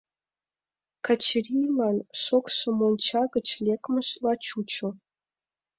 Качырийлан шокшо монча гыч лекмыжла чучо.